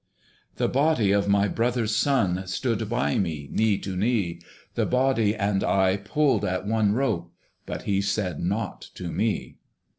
The body of my brother's son, Stood by me, knee to knee: The body and I pulled at one rope, But he said nought to me.